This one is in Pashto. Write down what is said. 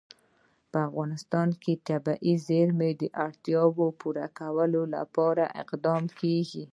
په افغانستان کې د طبیعي زیرمې د اړتیاوو پوره کولو لپاره اقدامات کېږي.